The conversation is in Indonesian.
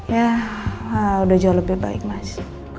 ya udah jauh lebih baik mas